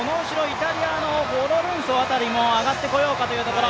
イタリアのフォロルンソ辺りも上がってくるところ。